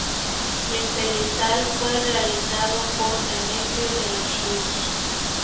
El pedestal fue realizado por Demetrio de los Ríos.